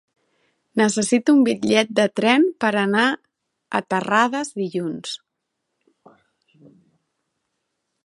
Necessito un bitllet de tren per anar a Terrades dilluns.